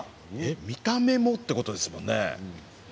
見た目もということですよね。